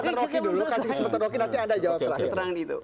kasih kesempatan rocky nanti ada jawab terakhir